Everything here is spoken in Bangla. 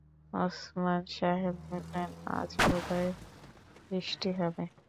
ওসমান সাহেব বললেন, আজ বোধহয় বৃষ্টি হবে।